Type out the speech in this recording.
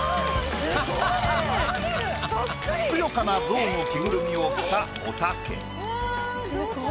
ふくよかな象の着ぐるみを着たおたけ。